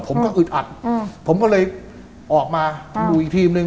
ผมก็อึดอัดอืมผมก็เลยออกมาอืมดูอีกทีมหนึ่ง